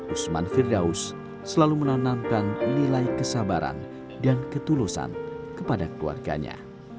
usman firdaus selalu menanamkan nilai kesabaran dan ketulusan kepada keluarganya